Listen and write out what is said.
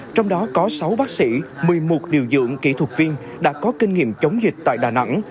trong đó có sáu bác sĩ một mươi một điều dưỡng kỹ thuật viên đã có kinh nghiệm chống dịch tại đà nẵng